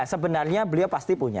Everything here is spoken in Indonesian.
sebenarnya beliau pasti punya